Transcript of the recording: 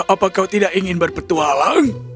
apa kau tidak ingin berpetualang